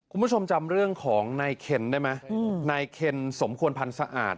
คุณผู้ชมจำเรื่องของนายเคนได้ไหมนายเคนสมควรพันธ์สะอาด